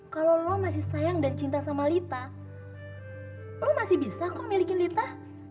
kalau lo masih sayang dan cinta sama lita lo masih bisa kok milikin lita